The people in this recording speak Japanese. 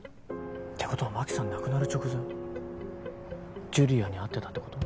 てことは真紀さん亡くなる直前樹里亜に会ってたってこと？